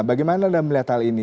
bagaimana anda melihat hal ini